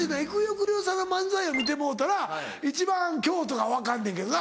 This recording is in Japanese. くるよさんの漫才を見てもろうたら一番京都が分かんねんけどな。